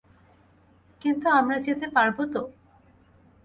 কিন্তু আমরা যেতে পারবো তো?